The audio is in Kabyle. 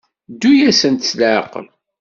Ddu-asent s leɛqel.